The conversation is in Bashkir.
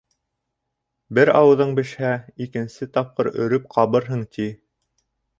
Бер ауыҙың бешһә, икенсе тапҡыр өрөп ҡабырһың, ти.